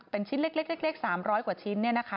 เป็นชิ้นเล็ก๓๐๐กว่าชิ้นเนี่ยนะคะ